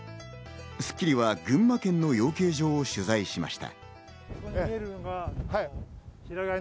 『スッキリ』は群馬県の養鶏場を取材しました。